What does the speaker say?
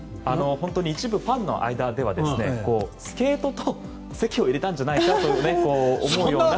本当に一部ファンの間ではスケートと籍を入れたんじゃないかと思うような。